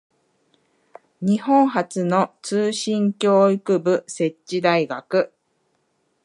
日本初の通信教育部設置大学